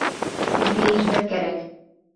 Илгә ирҙәр кәрәк.